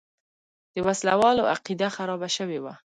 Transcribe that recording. د وسله والو عقیده خرابه شوې وه.